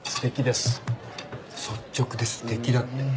率直で素敵だって。